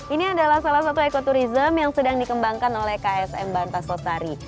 ini adalah salah satu ekoturism yang sedang dikembangkan oleh ksm bantas lestari